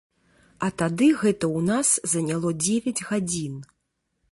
А тады гэта ў нас заняло дзевяць гадзін.